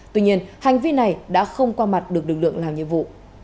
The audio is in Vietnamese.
tuy nhiên hành vi này đã không qua mặt được lực lượng làm nhiệm vụ